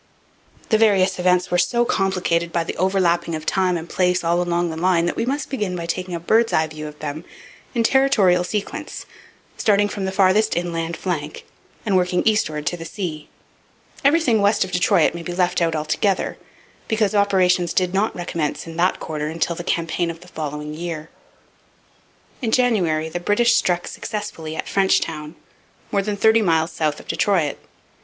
The various events were so complicated by the overlapping of time and place all along the line that we must begin by taking a bird's eye view of them in territorial sequence, starting from the farthest inland flank and working eastward to the sea. Everything west of Detroit may be left out altogether, because operations did not recommence in that quarter until the campaign of the following year. In January the British struck successfully at Frenchtown, more than thirty miles south of Detroit.